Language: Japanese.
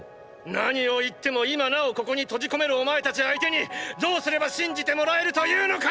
何を言っても今なおここに閉じ込めるお前たち相手にどうすれば信じてもらえると言うのか！！